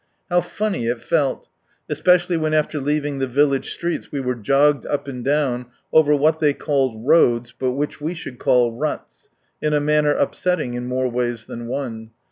How funny it felt; especially, when, after leaving the village streets, we were jogged up and down, over what they called roads, but which we should call "ruts," in a manner upsetting in more ways than one.